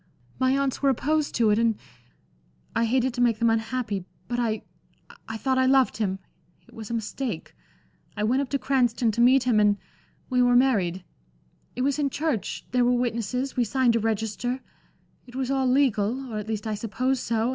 My aunts were opposed to it, and I hated to make them unhappy. But I I thought I loved him. It was a mistake. I went up to Cranston to meet him, and we were married. It was in church there were witnesses, we signed a register it was all legal, or at least I suppose so.